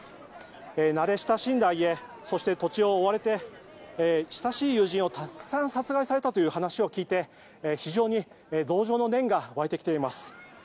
慣れ親しんだ家そして、土地を追われて親しい友人をたくさん殺害されたという話を聞いて非常に同情の念が湧いてきています。